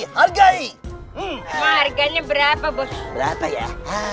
menghargainya berapa bos berapa ya